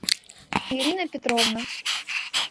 Ирина Петровна...